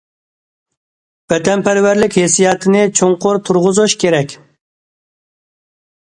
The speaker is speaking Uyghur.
ۋەتەنپەرۋەرلىك ھېسسىياتىنى چوڭقۇر تۇرغۇزۇش كېرەك.